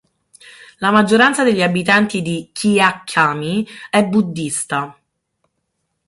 La maggioranza degli abitanti di Kyaikkhami è buddhista.